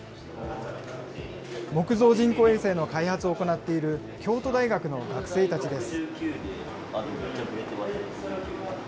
木造人工衛星の開発を行っている京都大学の学生たちです。